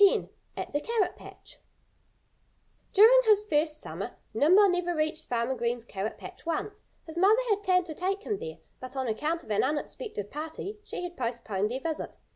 X AT THE CARROT PATCH During his first summer Nimble never reached Farmer Green's carrot patch once. His mother had planned to take him there. But on account of an unexpected party she had postponed their visit.